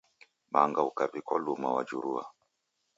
Manga ukaw'ikwa luma wajurua.